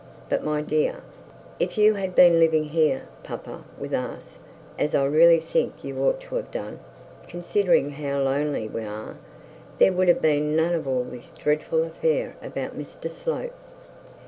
But, my dear ' 'If you had been living here, papa, with us, as I really think you ought to have done, considering how lonely we are, there would have been none of all this dreadful affair about Mr Slope.'